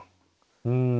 うん。